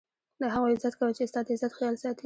د هغو عزت کوه، چي ستا دعزت خیال ساتي.